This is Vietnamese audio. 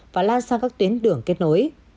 và lan sang các tuyến đường kết nối